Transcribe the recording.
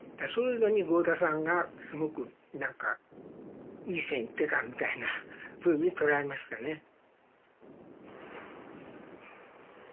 そういうのに合田さんがすごく何かいい線いってたみたいなふうに捉えましたね。